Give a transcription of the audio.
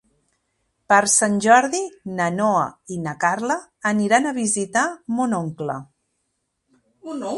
Per Sant Jordi na Noa i na Carla aniran a visitar mon oncle.